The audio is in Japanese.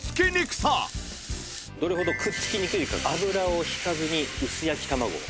どれほどくっつきにくいか油を引かずに薄焼き卵を。